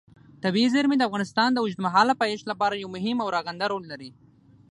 طبیعي زیرمې د افغانستان د اوږدمهاله پایښت لپاره یو مهم او رغنده رول لري.